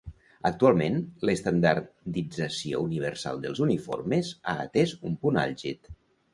Actualment l'estandardització universal dels uniformes ha atès un punt àlgid.